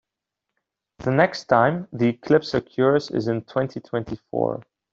The next time the eclipse occurs is in twenty-twenty-four.